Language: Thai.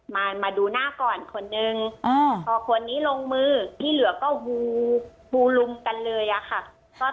มาดูหน้าก่อนหนึ่งพอคนนี้ลงมือก็วูลุมกันเลยค่ะ